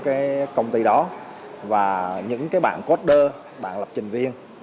các công ty đó và những bạn coder bạn lập trình viên